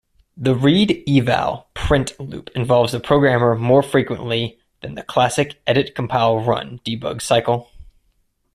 The read-eval-print loop involves the programmer more frequently than the classic edit-compile-run-debug cycle.